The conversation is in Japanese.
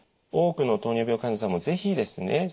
多くの糖尿病患者さんも是非ですね